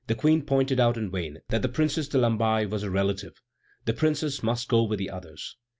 The Queen pointed out in vain that the Princess de Lamballe was her relative. The Princess must go with the others.